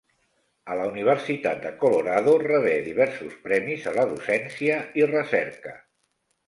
A la universitat de Colorado rebé diversos premis a la docència i recerca.